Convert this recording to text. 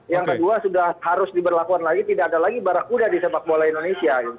yang kedua sudah harus diberlakukan lagi tidak ada lagi barakuda di sepak bola indonesia